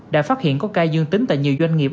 đã phát hiện có ca dương tính tại nhiều doanh nghiệp